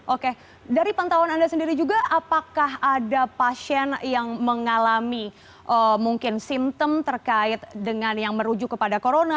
oke dari pantauan anda sendiri juga apakah ada pasien yang mengalami mungkin simptom terkait dengan yang merujuk kepada corona